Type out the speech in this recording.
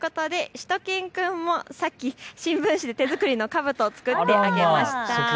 犬くんもさっき新聞紙で手作りのかぶとを作ってあげました。